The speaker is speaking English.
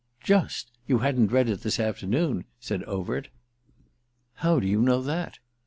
"Just? You hadn't read it this afternoon," said Overt. "How do you know that?"